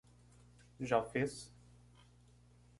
Já fez?